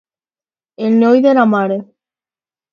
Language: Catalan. El noi de la mare.